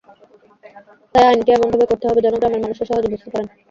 তাই আইনটি এমনভাবে করতে হবে, যেন গ্রামের মানুষও সহজে বুঝতে পারেন।